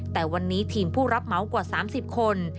แต่วันนี้ทีมผู้รับเหมากว่า๓๐คน